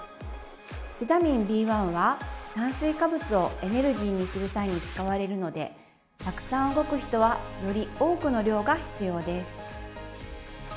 ビタミンＢ１は炭水化物をエネルギーにする際に使われるのでたくさん動く人はより多くの量が必要です。